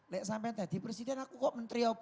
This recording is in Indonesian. lihat sampai tadi presiden aku kok menteri apa